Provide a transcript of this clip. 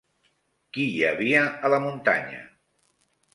Qui hi havia a la muntanya?